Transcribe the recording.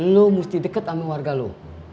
lo mesti deket sama warga lo